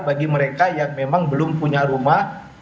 bagi mereka yang memang belum punya rumah